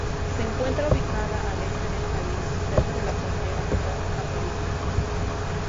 Se encuentra ubicada al este del país, cerca de la frontera con Camerún.